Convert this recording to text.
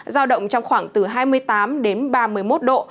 giao động trong khoảng từ hai mươi tám đến ba mươi một độ